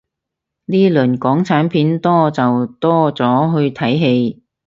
呢輪港產片多就多咗去睇戲